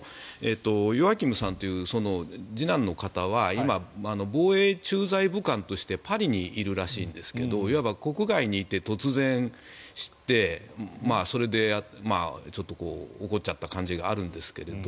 ヨアキムさんという次男の方は今、防衛駐在武官としてパリにいるらしいんですけどいわば国外にいて突然知ってそれでちょっと怒っちゃった感じがあるんですけど。